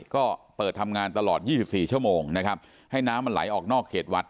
ก็เปิดทำงานตลอด๒๔ชั่วโมงนะครับให้น้ำมันไหลออกนอกเขตวัด